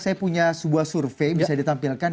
saya punya sebuah survei bisa ditampilkan